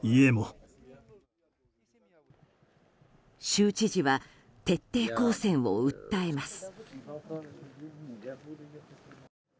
州知事は徹底抗戦を訴えます。